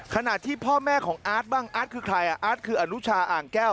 ขณะที่พ่อแม่ของอาร์ตบ้างอาร์ตคือใครอ่ะอาร์ตคืออนุชาอ่างแก้ว